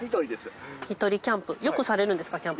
１人キャンプよくされるんですか？